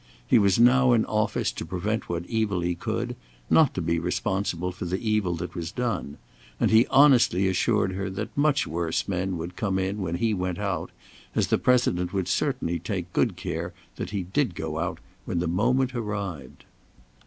He was now in office to prevent what evil he could, not to be responsible for the evil that was done; and he honestly assured her that much worse men would come in when he went out, as the President would certainly take good care that he did go out when the moment arrived.